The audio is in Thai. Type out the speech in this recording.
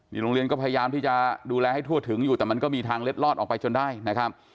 โรงเรียนก็พยายามที่จะดูแลให้ทั่วถึงอยู่แต่มันก็มีทางเล็ดลอดออกไปจนได้นะครับ